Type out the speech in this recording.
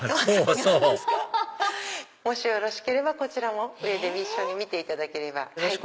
そうそうもしよろしければこちらも上で一緒に見ていただければ。